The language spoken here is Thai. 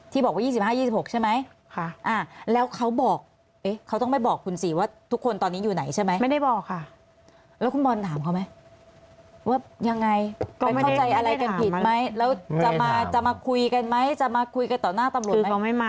ที่บอกว่าสิบห้าสิบหกใช่ไหม